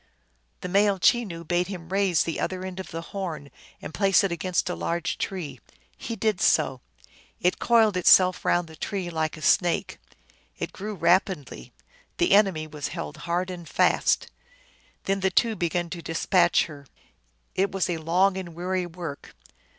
The male Chenoo bade him raise the other end of the horn and place it against a large tree. He did so. It coiled itself round the tree like a snake, it grew rapidly ; the enemy was held hard and fast. Then the two began to dispatch her. It was long and weary work.